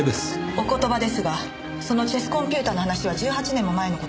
お言葉ですがそのチェスコンピューターの話は１８年も前の事です。